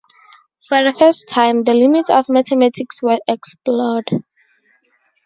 For the first time, the limits of mathematics were explored.